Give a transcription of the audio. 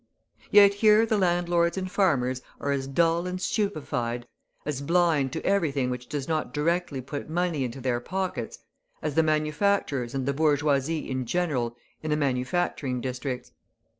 Yet here the landlords and farmers are as dull and stupefied, as blind to everything which does not directly put money into their pockets, as the manufacturers and the bourgeoisie in general in the manufacturing districts.